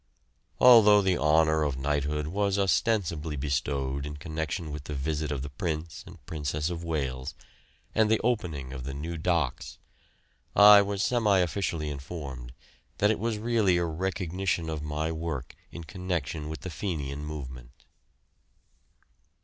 Although the honour of knighthood was ostensibly bestowed in connection with the visit of the Prince and Princess of Wales, and the opening of the new docks, I was semi officially informed that it was really a recognition of my work in connection with the Fenian movement.